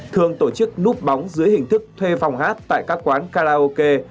thường tổ chức núp bóng dưới hình thức thuê phòng hát tại các quán karaoke